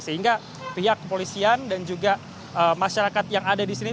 sehingga pihak kepolisian dan juga masyarakat yang ada di sini